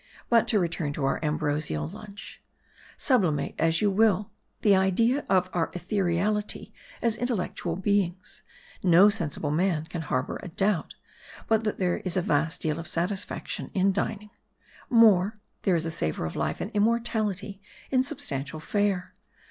But to return to our ambrosial lunch. Sublimate, as you will, the idea of our ethereality as intel lectual beings ; no sensible man can harbor a doubt, but that there is a vast deal of satisfaction in dining. More : there is a savor of life and immortality in substantial fare.